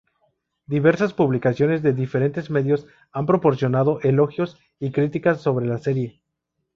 Diversas publicaciones de diferentes medios han proporcionado elogios y críticas sobre la serie.